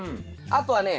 あとはね